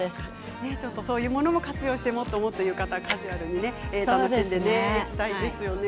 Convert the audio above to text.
そういうものも活用してもっともっと浴衣を、カジュアルに楽しんで着たいですよね。